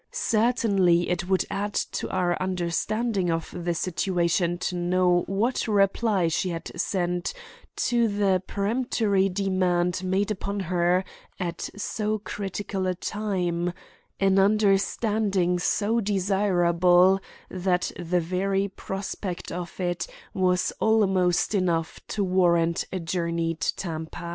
Certainly, it would add to our understanding of the situation to know what reply she had sent to the peremptory demand made upon her at so critical a time; an understanding so desirable that the very prospect of it was almost enough to warrant a journey to Tampa.